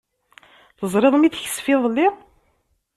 Teẓriḍ mi teksef iḍelli?